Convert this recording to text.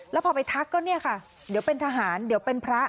แล้วพอไปทักก็เนี่ยค่ะเดี๋ยวเป็นทหารเดี๋ยวเป็นพระ